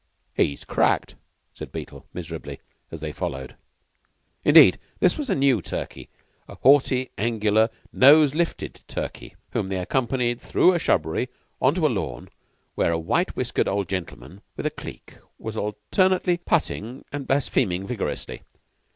"He's cracked," said Beetle, miserably, as they followed. Indeed, this was a new Turkey a haughty, angular, nose lifted Turkey whom they accompanied through a shrubbery on to a lawn, where a white whiskered old gentleman with a cleek was alternately putting and blaspheming vigorously.